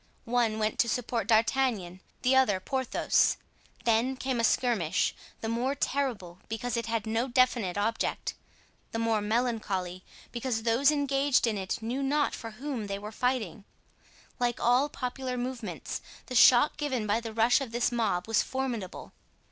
One went to support D'Artagnan, the other Porthos. Then came a skirmish, the more terrible because it had no definite object; the more melancholy, because those engaged in it knew not for whom they were fighting. Like all popular movements, the shock given by the rush of this mob was formidable.